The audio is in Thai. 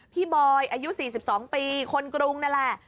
บอยอายุ๔๒ปีคนกรุงนั่นแหละ